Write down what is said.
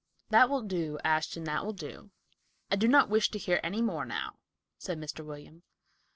"That will do, Ashton; that will do. I do not wish to hear any more now," said Mr. William.